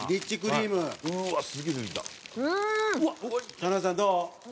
田辺さんどう？